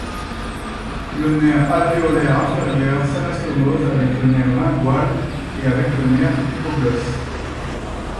Le nerf alvéolaire inférieur s'anastomose avec le nerf lingual et avec le nerf hypoglosse.